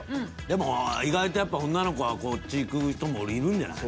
でも意外とやっぱ女の子はこっちいく人もいるんじゃない？